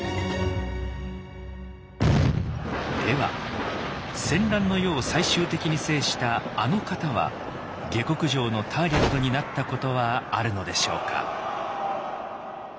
では戦乱の世を最終的に制した「あの方」は下剋上のターゲットになったことはあるのでしょうか。